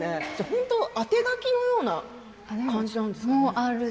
本当に当て書きのような感じなんですかね。